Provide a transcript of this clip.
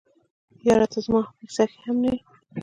یاره ته هم زما په کیسه کي نه یې.